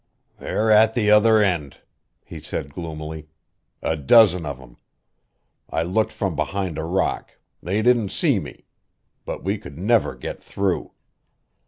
"They're at the other end," he said gloomily; "a dozen of 'em. I looked from behind a rock; they didn't see me. But we could never get through."